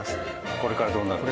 これからどんなふうに？